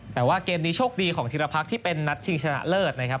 แต่ว่าเกมนี้โชคดีของธิรพรรคที่เป็นนัดชิงชนะเลิศนะครับ